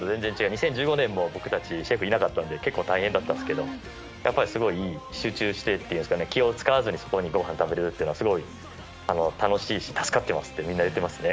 ２０１５年も僕たちシェフいなかったので結構、大変だったんですけど集中して、気を遣わずにごはんを食べられるというのはすごい楽しいし助かってますってみんな言っていますね。